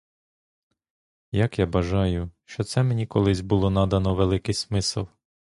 Як я бажаю, що це мені колись було надано великий смисл.